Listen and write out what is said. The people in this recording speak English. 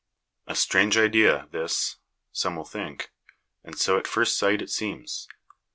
'A strange idea, this, some will think ; and so at first sight it seems.